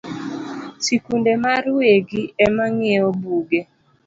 Sikunde mar wegi emang’iewo buge